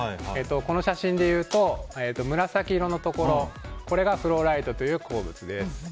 この写真でいうと紫色のところ、これがフローライトという鉱物です。